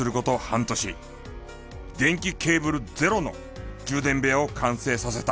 半年電気ケーブルゼロの充電部屋を完成させた。